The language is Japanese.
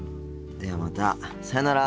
ではまたさよなら。